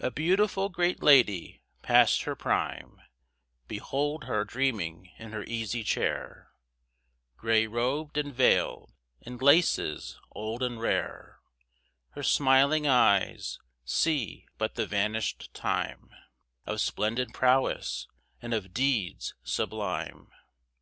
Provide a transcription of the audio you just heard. A beautiful great lady, past her prime, Behold her dreaming in her easy chair; Gray robed, and veiled; in laces old and rare, Her smiling eyes see but the vanished time, Of splendid prowess, and of deeds sublime.